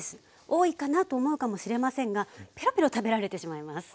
多いかなと思うかもしれませんがペロペロ食べられてしまいます。